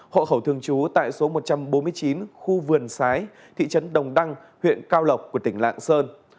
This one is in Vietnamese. hộ khẩu thường chú tại số một trăm bốn mươi chín khu vườn sái thị trấn đồng đăng huyện cao lộc tỉnh lãng sơn